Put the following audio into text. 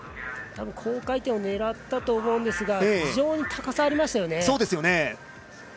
高回転を狙ったと思うんですが非常に高さがありましたね。